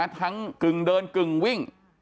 กึ่งเดินกึ่งวิ่ง